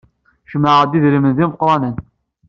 Jemɛeɣ-d idrimen d imeqranen.